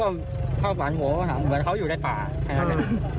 ก็เข้าฝันโหเหมือนเขาอยู่ในป่านะฮะ